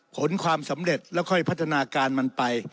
ผลความสำเร็จแล้วค่อยพัฒนาการมันไป